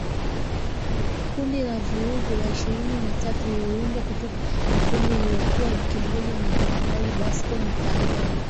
Kundi la Vuguvugu la Ishirini na tatu liliundwa kutoka kwa kundi lililokuwa likiongozwa na Jenerali Bosco Ntaganda